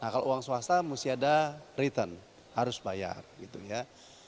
kalau uang swasta mesti ada return harus bayar